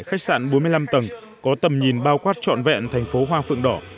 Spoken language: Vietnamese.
khách sạn bốn mươi năm tầng có tầm nhìn bao quát trọn vẹn thành phố hoa phượng đỏ